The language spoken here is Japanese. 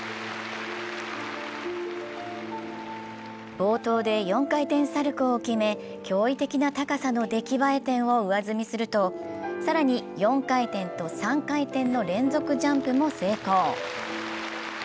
冒頭で４回転サルコウを決め、驚異的な高さの出来栄え点を上積みすると更に、４回転と３回転の連続ジャンプも成功。